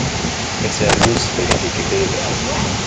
Es werden Nussfrüchte gebildet.